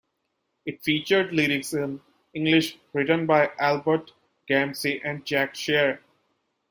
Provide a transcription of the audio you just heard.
It featured lyrics in English written by Albert Gamse and Jack Sherr.